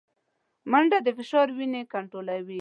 منډه د فشار وینې کنټرولوي